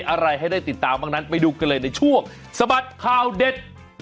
อะไรให้ได้ติดตามบ้างนั้นไปดูกันเลยในช่วงสะบัดข่าวเด็ด